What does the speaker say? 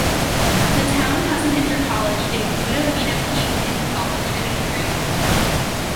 The town has an intercollege, named Buddha Vidya Peeth Intercollege, and a degree college.